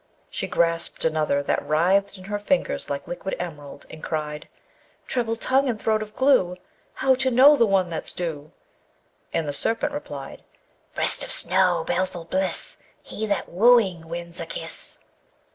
She grasped another that writhed in her fingers like liquid emerald, and cried: Treble tongue and throat of glue! How to know the one that's due? And the Serpent replied: Breast of snow! baleful bliss! He that wooing wins a kiss.